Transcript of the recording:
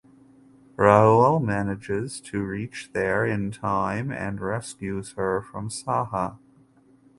Rahul manages to reach there in time and rescues her from Saha.